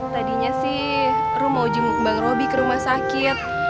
tadinya sih ruh mau bang roby ke rumah sakit